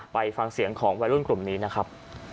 ไปฟังเสียงของวัยรุ่นกลุ่มนี้นะครับ